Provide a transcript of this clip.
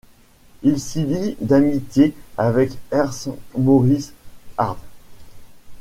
Il s'y lie d'amitié avec Ernst Moritz Arndt.